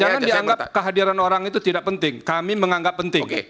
jangan dianggap kehadiran orang itu tidak penting kami menganggap penting